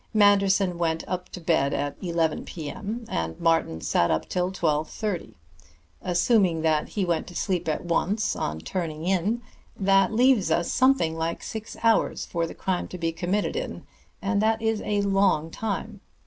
Manderson went up to bed at eleven P. M. and Martin sat up till twelve thirty. Assuming that he went to sleep at once on turning in, that leaves us something like six hours for the crime to be committed in; and that is a long time.